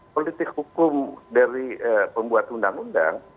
politik hukum dari pembuat undang undang